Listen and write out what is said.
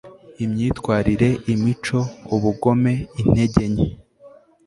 imyitwarire, imico, ubugome, intege nke